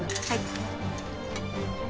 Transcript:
はい。